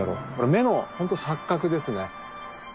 目の錯覚ですね。